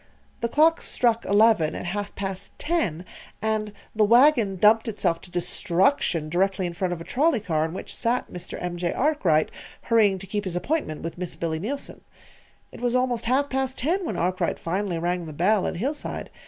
The clock struck eleven at half past ten, and the wagon dumped itself to destruction directly in front of a trolley car in which sat Mr. M. J. Arkwright, hurrying to keep his appointment with Miss Billy Neilson. It was almost half past ten when Arkwright finally rang the bell at Hillside.